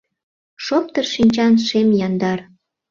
Шоптыр шинчан шем яндар.